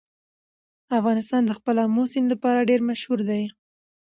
افغانستان د خپل آمو سیند لپاره ډېر مشهور دی.